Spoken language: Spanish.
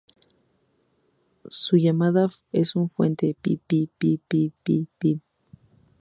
Su llamada es un fuerte "pi-pi-pi-pi-pi-pi-pi".